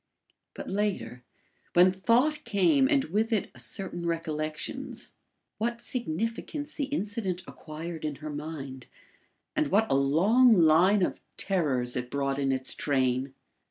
But later, when thought came and with it a certain recollections, what significance the incident acquired in her mind, and what a long line of terrors it brought in its train!